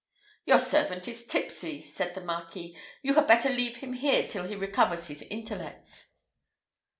"Your servant is tipsy," said the Marquis; "you had better leave him here till he recovers his intellects."